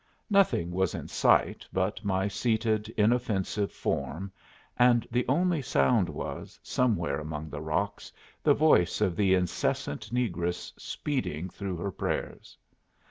Nothing was in sight but my seated inoffensive form, and the only sound was, somewhere among the rocks, the voice of the incessant negress speeding through her prayers.